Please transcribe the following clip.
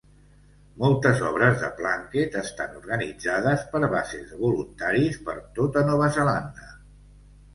Moltes obres de Plunket estan organitzades per bases de voluntaris per tota Nova Zelanda.